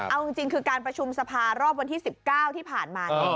เอาจริงคือการประชุมสภารอบวันที่๑๙ที่ผ่านมา